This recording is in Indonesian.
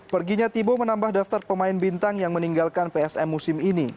perginya thibo menambah daftar pemain bintang yang meninggalkan psm musim ini